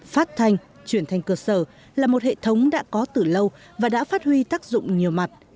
phát thanh truyền thanh cơ sở là một hệ thống đã có từ lâu và đã phát huy tác dụng nhiều mặt